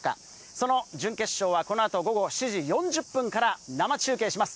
その準決勝は、このあと午後７時４０分から生中継します。